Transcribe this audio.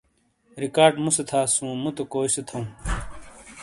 ریکارڈ مُوسے تھاسُوں، مُتو کوئی سے تھَو؟